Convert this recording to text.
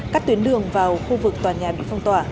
các tuyến đường vào khu vực tòa nhà bị phong tỏa